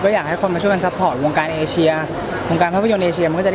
อยากให้คนช่วยดังกลับมือกับวงการท่าวิทยนต์เอเชีย